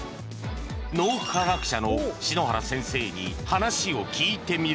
脳科学者の篠原先生に話を聞いてみると